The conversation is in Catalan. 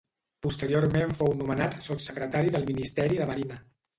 Posteriorment fou nomenat sotssecretari del ministeri de Marina.